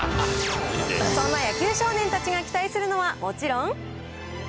そんな野球少年たちが期待するのは、もちろん。